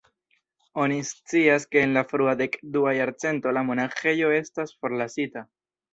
Oni scias ke en la frua dek-dua jarcento la monaĥejo estas forlasita.